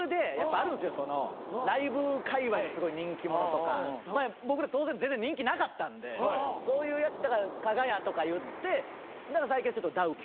ライブかいわいのすごい人気者とか僕ら当然全然人気なかったんでそういうやつだからかが屋とか言ってだから最近はちょっとダウ９００００。